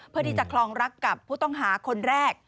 เพื่อที่จะคลองรักกับผู้ต้องหาคนแรก